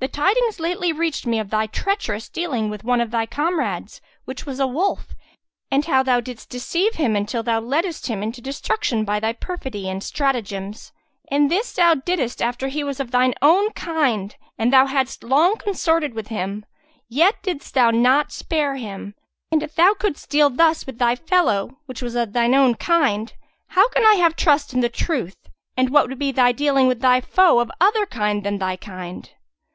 The tidings lately reached me of thy treacherous dealing with one of thy comrades, which was a wolf; and how thou didst deceive him until thou leddest him into destruction by thy perfidy and stratagems; and this thou diddest after he was of thine own kind and thou hadst long consorted with him: yet didst thou not spare him; and if thou couldst deal thus with thy fellow which was of thine own kind, how can I have trust in they truth and what would be thy dealing with thy foe of other kind than thy kind?